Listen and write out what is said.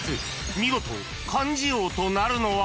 ［見事漢字王となるのは？］